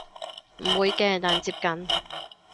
唔會嘅但接近